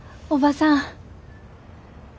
おばさん。